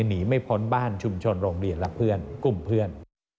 หนีไม่พ้นบ้านชุมชนโรงเรียนและเพื่อนกลุ่มเพื่อน